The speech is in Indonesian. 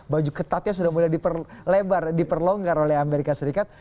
baju ketatnya sudah mulai diperlebar diperlonggar oleh amerika serikat